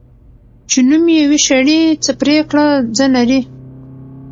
چی نوم یی وی شړي ، څه پریکړه ځه نري .